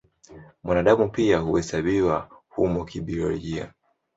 Mwanadamu pia huhesabiwa humo kibiolojia.